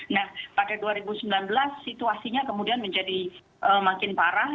nah pada dua ribu sembilan belas situasinya kemudian menjadi makin parah